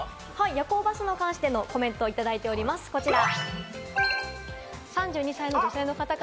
夜行バスに関して、コメントが届いています、こちら。